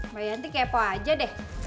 mbak yanti kepo aja deh